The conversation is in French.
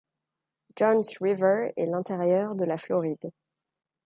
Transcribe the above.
Johns River et l'intérieur de la Floride.